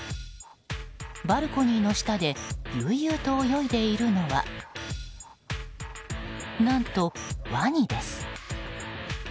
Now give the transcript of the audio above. バルコニーの下で悠々と泳いでいるのは何と、ワニです。